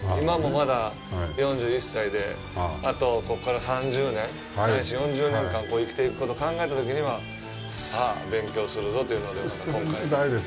今もまだ４１歳で、あと、ここから３０年、ないし４０年間生きていくことを考えたときには、さあ、勉強するぞというので、今回。